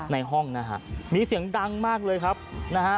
ในห้องนะฮะมีเสียงดังมากเลยครับนะฮะ